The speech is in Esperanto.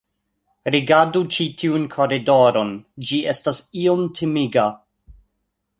Rigardu ĉi tiun koridoron ĝi estas iom timiga